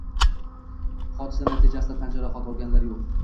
Hodisa natijasida tan jarohati olganlar yo‘q